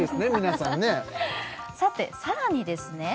さてさらにですね